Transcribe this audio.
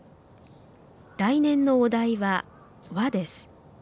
来年のお題は「和」です。